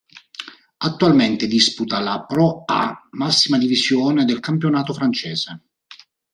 Attualmente, disputa la Pro A, massima divisione del campionato francese.